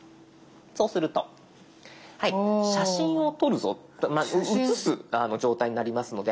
そうすると写真を撮るぞうつす状態になりますので。